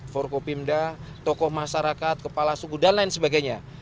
forkopimda tokoh masyarakat kepala suku dan lain sebagainya